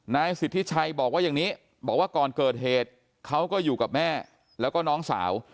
นายสิทธิชัยบอกว่าอย่างนี้บอกว่าก่อนเกิดเหตุเขาก็อยู่กับแม่แล้วก็น้องสาว